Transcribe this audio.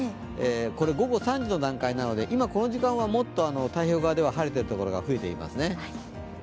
これ、午後３時の段階なので今この時間は太平洋側では晴れている所が増えていますね。